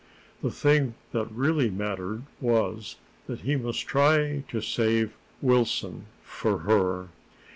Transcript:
The thing that really mattered was that he must try to save Wilson for her.